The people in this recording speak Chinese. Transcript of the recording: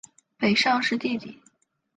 北尚是弟弟。